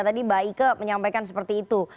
tadi mbak ike menyampaikan seperti itu